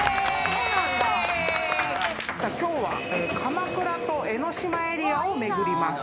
今日は鎌倉と江の島エリアをめぐります。